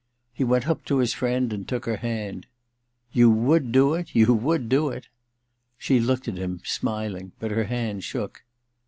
He went up to his friend and took her hand. * You would do it — you would do it !' She looked at him, smiling, but her hand shook.